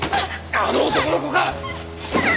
あの男の子か？